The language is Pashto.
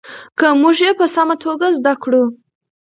که موږ یې په سمه توګه زده کړو.